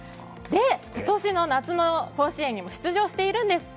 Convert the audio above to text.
今年の夏の甲子園にも出場しているんです。